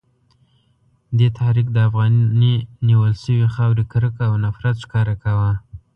دې تحریک د افغاني نیول شوې خاورې کرکه او نفرت ښکاره کاوه.